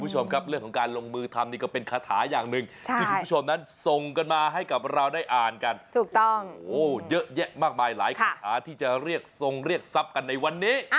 หลายคำถามที่จะเรียกทรงเรียกทรัพย์กันในวันนี้